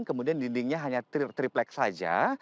kemudian dindingnya hanya triplek saja